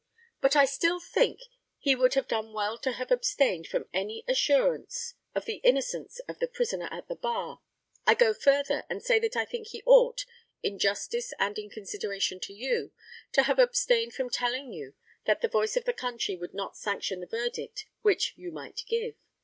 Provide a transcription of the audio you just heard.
But I still think he would have done well to have abstained from any assurance of the innocence of the prisoner at the bar. I go further, and say that I think he ought, in justice and in consideration to you, to have abstained from telling you that the voice of the country would not sanction the verdict which you might give.